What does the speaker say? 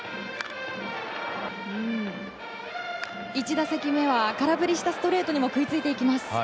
１打席目は空振りしたストレートにも食いついていきます。